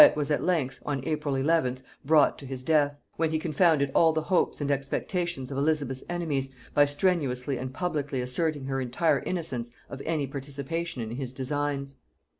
] Wyat was at length, on April 11th, brought to his death; when he confounded all the hopes and expectations of Elizabeth's enemies, by strenuously and publicly asserting her entire innocence of any participation in his designs.